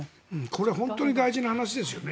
これは本当に大事な話ですよね。